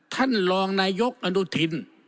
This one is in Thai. ท่านรองนายกอนุทิน